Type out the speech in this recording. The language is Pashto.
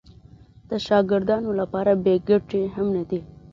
د شاګردانو لپاره بې ګټې هم نه دي.